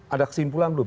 ada kesimpulan belum